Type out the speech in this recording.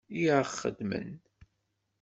I aɣ-xedmen.